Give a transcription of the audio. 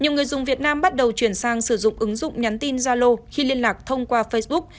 nhiều người dùng việt nam bắt đầu chuyển sang sử dụng ứng dụng nhắn tin zalo khi liên lạc thông qua facebook